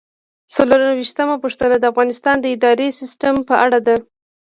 څلرویشتمه پوښتنه د افغانستان د اداري سیسټم په اړه ده.